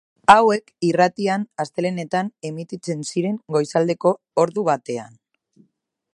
Hauek irratian astelehenetan emititzen ziren goizaldeko ordu batean.